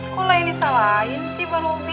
kok lah ini salahin sih bang robi